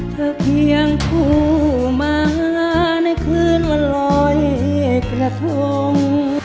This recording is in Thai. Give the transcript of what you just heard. เธอเพียงผู้มาในคืนวันร้อยกระทง